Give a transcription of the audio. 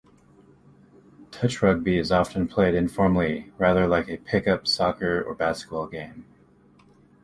Touch rugby is often played informally, rather like a pick-up soccer or basketball game.